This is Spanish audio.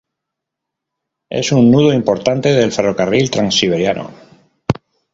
Es un nudo importante del ferrocarril Transiberiano.